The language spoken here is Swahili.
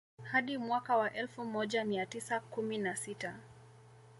Hadi mwaka wa elfu moja mia tisa kumi na sita